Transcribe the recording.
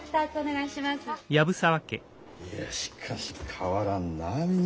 いやしかし変わらんなみんな。